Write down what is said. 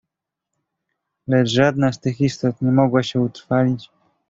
"Lecz żadna z tych istot nie mogła się utrwalić."